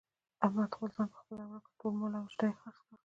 احمد خپل ځان په خپله ورک کړ. ټول مال او شته یې خرڅ کړل.